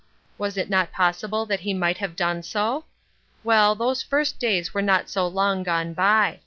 Was it not possible that he might have done so? Well, those first days were not so long gone by.